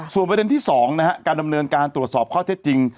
ส่วนประเด็นที่๒การดำเนินการตรวจสอบข้อเท็จจริง